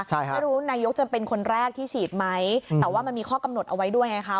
ไม่รู้นายกจะเป็นคนแรกที่ฉีดไหมแต่ว่ามันมีข้อกำหนดเอาไว้ด้วยไงคะ